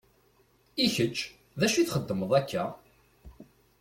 I kečči d acu i txeddmeḍ akka?